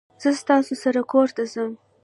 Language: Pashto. زه ستاسو سره کورته ځم